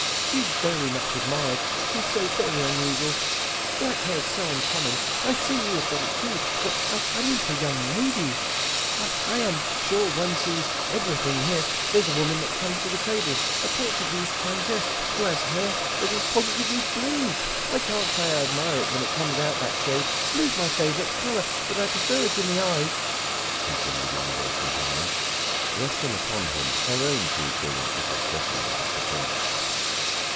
She 's very much admired, she 's so very unusual. Black hair 's so uncommon I see you have got it too but I mean for young ladies. I am sure one sees everything here. There 's a woman that comes to the tables a Portuguese countess who has hair that is positively blue. I can't say I admire it when it comes to that shade. Blue 's my favorite color, but I prefer it in the eyes," continued Longueville's companion, resting upon him her own two brilliant little specimens of the tint.